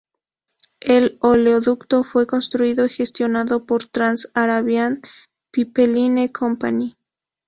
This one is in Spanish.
El oleoducto fue construido y gestionado por Trans-Arabian Pipeline Company.